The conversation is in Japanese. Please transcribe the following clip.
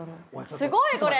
すごいこれ。